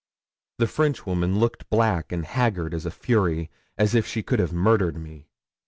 The Frenchwoman looked black and haggard as a fury, as if she could have murdered me.